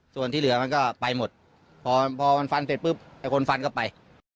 ส่วนที่เหลือมันก็ไปหมดพอมันฟันเสร็จปุ๊บไอ้คนฟันก็ไป